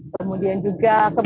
kemudian juga kemungkinan